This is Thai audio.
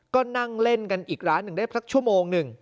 ก็นั่งเล่นกันอีกร้านหนึ่งได้สักชั่วโมงหนึ่ง